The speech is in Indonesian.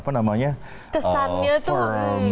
kesannya itu firm